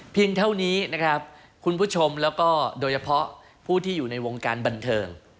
เท่านี้นะครับคุณผู้ชมแล้วก็โดยเฉพาะผู้ที่อยู่ในวงการบันเทิง